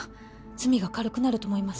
罪が軽くなると思います